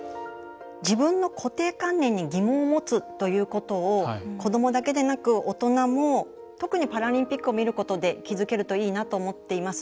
自分の固定観念に疑問を持つということを子どもだけでなく大人も特にパラリンピックを見ることで気付けるといいなと思っています。